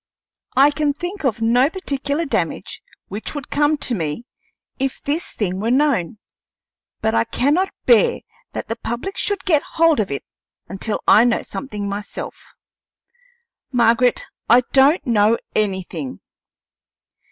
I can think of no particular damage which would come to me if this thing were known, but I cannot bear that the public should get hold of it until I know something myself. Margaret, I don't know anything."